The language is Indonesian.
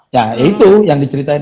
ya itu yang diceritain